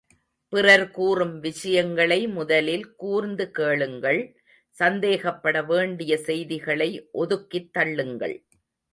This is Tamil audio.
பிறர் கூறும் விஷயங்களை முதலில் கூர்ந்து கேளுங்கள் சந்தேகப்பட வேண்டிய செய்திகளை ஒதுக்கித் தள்ளுங்கள்.